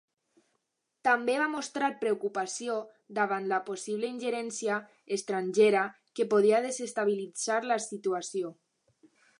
També va mostrar preocupació davant la possible ingerència estrangera que podia desestabilitzar la situació.